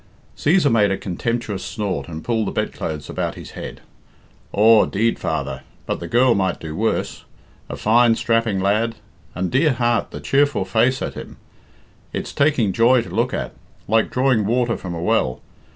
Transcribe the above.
Cæsar made a contemptuous snort, and pulled the bedclothes about his head. "Aw, 'deed, father, but the girl might do worse. A fine, strapping lad. And, dear heart, the cheerful face at him! It's taking joy to look at like drawing water from a well!